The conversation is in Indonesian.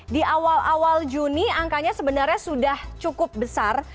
di awal awal juni angkanya sebenarnya sudah cukup besar